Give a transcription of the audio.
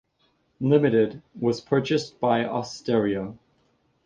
Limited, was purchased by Austereo.